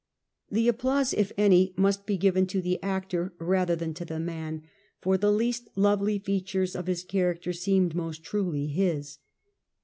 The applause, if any, must be given to the actor rather than to the man, for the least lovely features of his character seem most truly his.